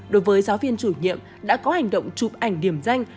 đối với giáo viên chủ nhiệm đã có hành động chụp ảnh điểm danh